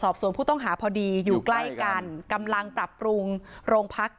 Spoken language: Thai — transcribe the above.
ส่วนผู้ต้องหาพอดีอยู่ใกล้กันกำลังปรับปรุงโรงพัก